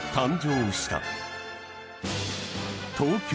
［東京